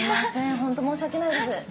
ホント申し訳ないです。